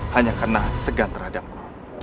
hanya karena segan terhadapku